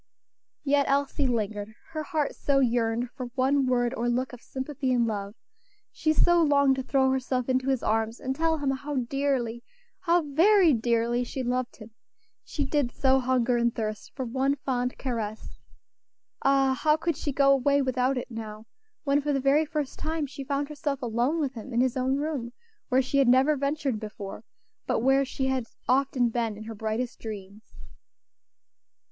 Yet Elsie lingered; her heart so yearned for one word or look of sympathy and love; she so longed to throw herself into his arms and tell him how dearly, how very dearly she loved him; she did so hunger and thirst for one fond caress ah! how could she go away without it now, when for the very first time she found herself alone with him in his own room, where she had never ventured before, but where she had often been in her brightest dreams.